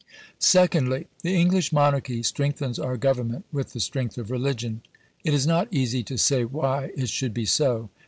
Secondly. The English Monarchy strengthens our Government with the strength of religion. It is not easy to say why it should be so.